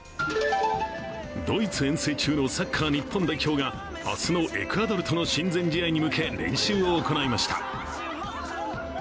ドイツ遠征中のサッカー日本代表が明日のエクアドルとの親善試合に向け、練習を行いました。